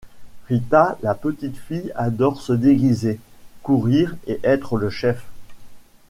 Rita la petite fille adore se déguiser, courir et être le chef.